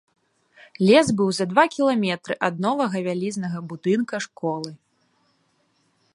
Лес быў за два кіламетры ад новага вялізнага будынка школы.